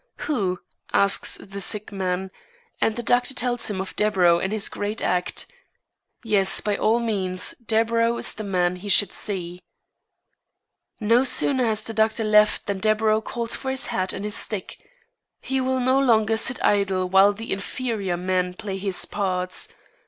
"Who?" asks the sick man, and the doctor tells him of Deburau and his great art. Yes, by all means Deburau is the man he should see. No sooner has the doctor left than Deburau calls for his hat and his stick. He will no longer sit idle while inferior men play his parts.